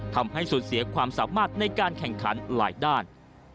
ทำให้สูญเสียความสามารถในการแข่งขันหลายด้าน